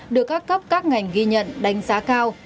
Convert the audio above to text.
được các cấp các ngành ghi nhận đánh giá cao